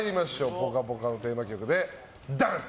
「ぽかぽか」のテーマ曲でダンス！